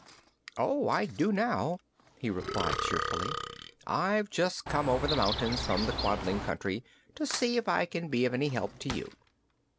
"Oh, I do now," he replied cheerfully. "I've just come over the mountains from the Quadling Country to see if I can be of any help to you."